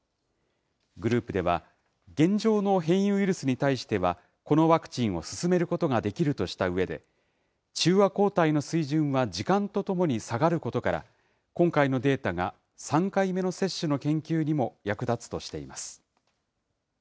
グループでは、現状の変異ウイルスに対しては、このワクチンを勧めることができるとしたうえで、中和抗体の水準は時間とともに下がることから、今回のデータが３回目の接種の研究にも役立つとしています。